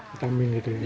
vitamin gitu ya